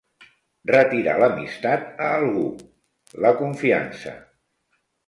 Retirar l'amistat a algú, la confiança.